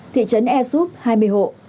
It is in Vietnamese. thị trấn air soup hai mươi hộ